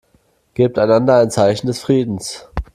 Gebt einander ein Zeichen des Friedens.